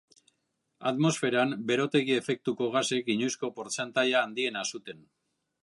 Atmosferan berotegi-efektuko gasek inoizko portzentaia handiena zuten.